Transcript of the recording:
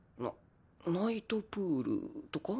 ナナイトプールとか？